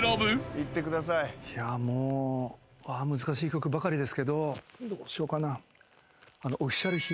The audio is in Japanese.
いやもう難しい曲ばかりですけどどうしようかな。